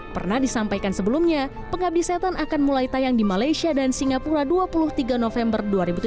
pernah disampaikan sebelumnya pengabdi setan akan mulai tayang di malaysia dan singapura dua puluh tiga november dua ribu tujuh belas